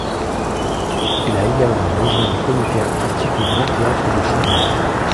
Il a également rejoint le comité artistique du Grand Théâtre de Shanghai.